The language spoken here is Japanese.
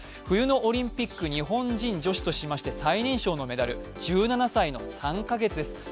冬のオリンピック日本人女子としまして最年少のメダル、１７歳３カ月です。